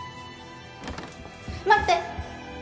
待って